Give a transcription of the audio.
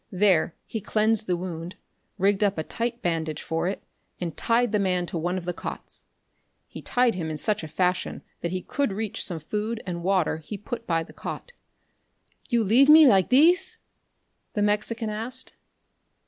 There he cleansed the wound, rigged up a tight bandage for it, and tied the man to one of the cots. He tied him in such a fashion that he could reach some food and water he put by the cot. "You leave me like thees?" the Mexican asked.